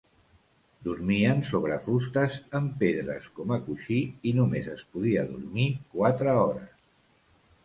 Dormien sobre fustes amb pedres com a coixí i només es podia dormir quatre hores.